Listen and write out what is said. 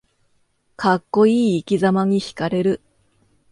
かっこいい生きざまにひかれる